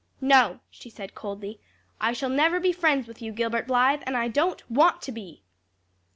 "No," she said coldly, "I shall never be friends with you, Gilbert Blythe; and I don't want to be!"